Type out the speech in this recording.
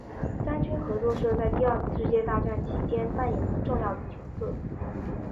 三军合作社在第二次世界大战其间扮演了重要的角色。